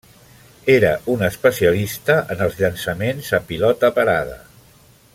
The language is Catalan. Era un especialista en els llançaments a pilota parada.